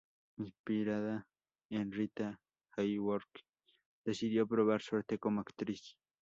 Inspirada en Rita Hayworth, decidió probar suerte como actriz.